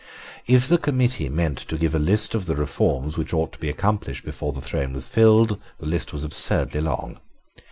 If the committee meant to give a list of the reforms which ought to be accomplished before the throne was filled, the list was absurdly long.